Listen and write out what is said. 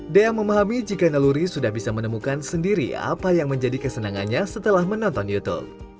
dea memahami jika naluri sudah bisa menemukan sendiri apa yang menjadi kesenangannya setelah menonton youtube